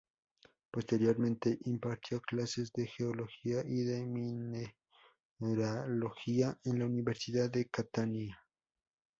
Posteriormente impartió clases de geología y de mineralogía en la Universidad de Catania.